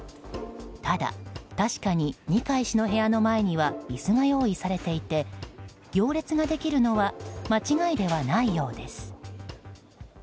ただ、確かに二階氏の部屋の前には椅子が用意されていて行列ができるのは間違いではないようです。